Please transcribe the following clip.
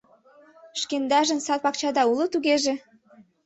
Шкендажын сад-пакчада уло тугеже?